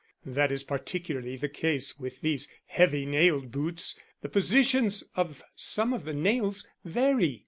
That is particularly the case with these heavy nailed boots the positions of some of the nails vary.